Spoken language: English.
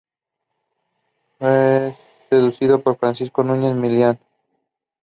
I’m not sure how well we meet low income student’s needs